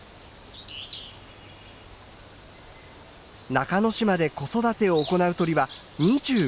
中之島で子育てを行う鳥は２５種以上。